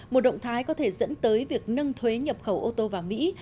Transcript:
một động thái có thể dẫn tới việc nâng thuế nhập khẩu ô tô vào mỹ